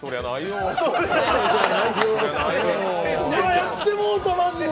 うわ、やってもおた、マジで。